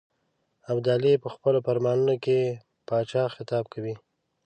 ابدالي په خپلو فرمانونو کې پاچا خطاب کوي.